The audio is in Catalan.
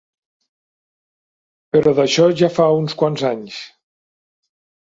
Però d'això ja fa uns quants anys.